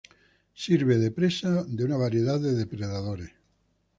Sirve de presa de una variedad de depredadores.